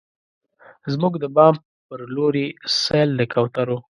زموږ د بام په لورې، سیل د کوترو